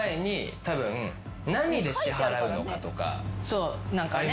そう何かね。